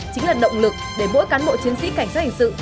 chính là động lực để mỗi cán bộ chiến sĩ cảnh sát hình sự